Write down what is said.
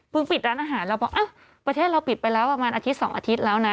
ปิดร้านอาหารเราบอกประเทศเราปิดไปแล้วประมาณอาทิตย์๒อาทิตย์แล้วนะ